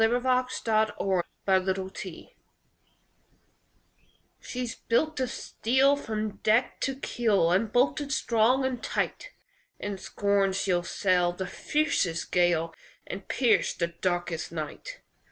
THE WORD OF AN ENGINEER "She's built of steel From deck to keel, And bolted strong and tight; In scorn she'll sail The fiercest gale, And pierce the darkest night.